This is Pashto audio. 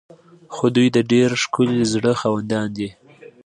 خو دوی د ډیر ښکلي زړه خاوندان دي.